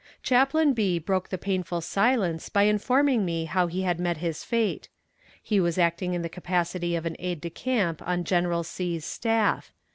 Chaplain B. broke the painful silence by informing me how he had met his fate. He was acting in the capacity of aide de camp on General C.'s staff.